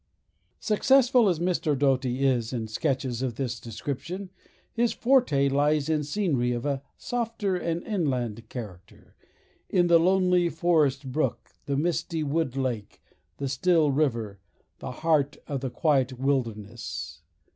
Successful as Mr. Doughty is in sketches of this description, his forte lies in scenery of a softer and inland character—in the lonely forest brook, the misty wood lake, the still river, the heart of the quiet wilderness.